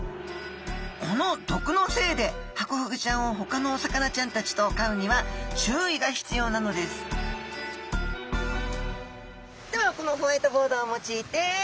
この毒のせいでハコフグちゃんをほかのお魚ちゃんたちと飼うには注意が必要なのですではこのホワイトボードを用いて解説をいたします。